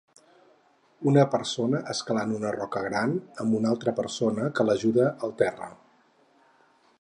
Una persona escalant una roca gran amb una altra persona que l'ajuda al terra